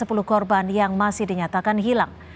sepuluh korban yang masih dinyatakan hilang